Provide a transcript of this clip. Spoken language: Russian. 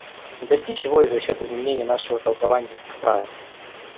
Не достичь его и за счет изменения нашего толкования этих правил.